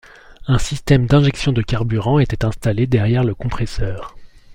Un système d'injection de carburant était installé derrière le compresseur.